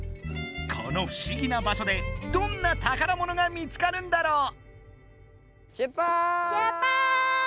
このふしぎな場しょでどんな「宝物」が見つかるんだろう？